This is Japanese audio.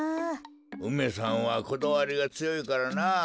梅さんはこだわりがつよいからなあ。